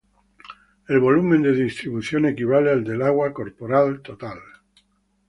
El volumen de distribución equivale al del agua corporal total.